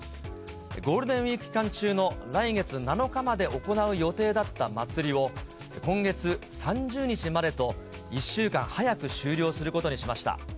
ゴールデンウィーク期間中の来月７日まで行う予定だったまつりを、今月３０日までと、１週間早く終了することにしました。